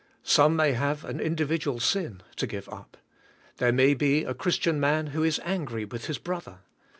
Some may have an individual sin to give up. There may be a Christian man who is angry with his brother.